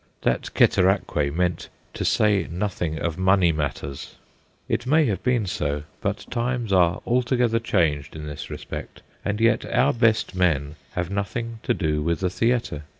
that ceteraque meant 'to say nothing of money matters/ It may have been so, but times are altogether changed in this respect, and yet our best men have nothing to do with the theatre.